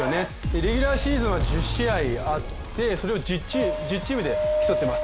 レギュラーシーズンは１０試合あってそれを１０チームで競っています。